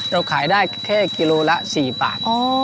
เราขายได้แค่กิโลละ๔บาท